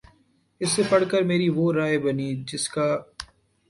اسے پڑھ کر میری وہ رائے بنی جس کا